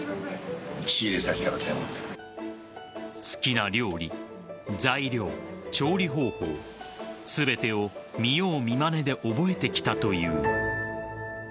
好きな料理、材料、調理方法全てを見よう見まねで覚えてきたという。